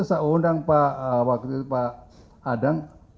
saya undang pak adang